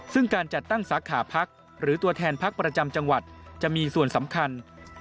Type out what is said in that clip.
ซึ่งการจัดตั้งสาขาพักหรือตัวแทนพักประจำจังหวัดจะมีส่วนสำคัญ